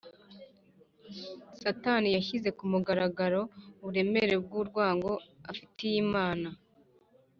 , Satani yashyize ku mugaragaro uburemere bw’urwango afitiye Imana.